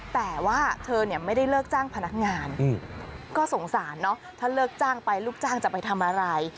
แต่ว่าเธอเนี่ยไม่ได้เลิกจ้างพนักงานก็สงสารเนอะถ้าเลิกจ้างไปลูกจ้างจะไปทำอะไร